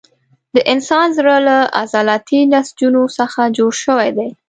د انسان زړه له عضلاتي نسجونو څخه جوړ شوی دی.